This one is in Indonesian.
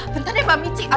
bentar ya mbak michi